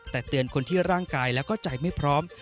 แต่เตือนคนที่ร่างกายแล้วก็ใจไม่พร้อม